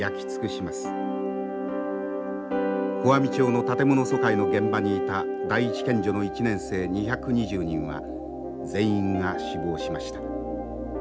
小網町の建物疎開の現場にいた第一県女の１年生２２０人は全員が死亡しました。